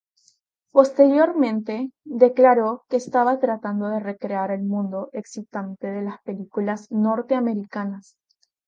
Posteriormente declaró que estaba tratando de recrear el mundo excitante de las películas norteamericanas.